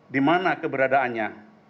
di mana keberadaannya